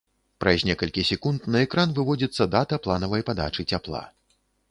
Праз некалькі секунд на экран выводзіцца дата планаванай падачы цяпла.